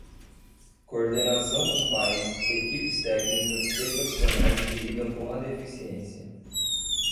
Coordenação com pais, equipes técnicas e profissionais que lidam com a deficiência.